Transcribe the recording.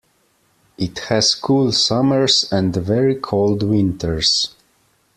It has cool summers and very cold winters.